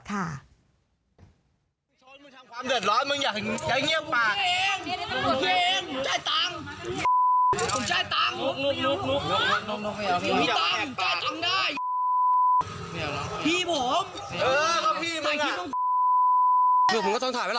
ตรงไหน